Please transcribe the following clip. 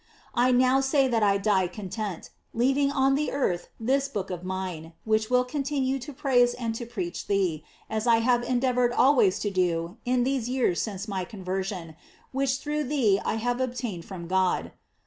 I now say that I die content, leaving on the earth this book of mine, which will continue to praise and to preach thee, as I have endeavored always to do in these years since my conversion, which through thee I have obtained from God.